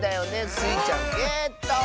スイちゃんゲット！